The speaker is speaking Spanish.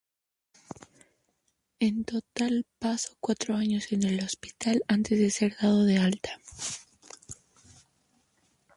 En total pasó cuatro años en un hospital antes de ser dado de alta.